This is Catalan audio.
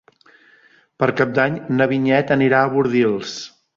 Per Cap d'Any na Vinyet anirà a Bordils.